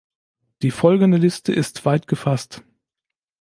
Die folgende Liste ist weit gefasst.